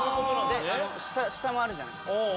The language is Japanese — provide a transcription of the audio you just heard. で下もあるじゃないですか。